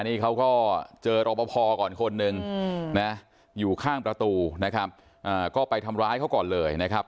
นี่เขาก็เจอรอปภก่อนคนหนึ่งนะอยู่ข้างประตูนะครับก็ไปทำร้ายเขาก่อนเลยนะครับ